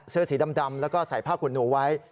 เสื้อสีดำแล้วก็ใส่ผ้าขุนหนูไว้